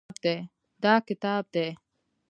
دا کتاب دی.